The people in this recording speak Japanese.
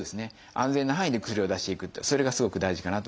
安全な範囲で薬を出していくっていうそれがすごく大事かなと。